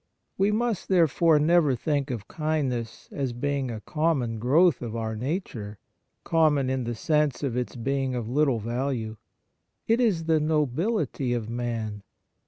We must, therefore, never think of kindness as being a common growth of our nature, common in the sense of its being of little value. It is the nobility of man.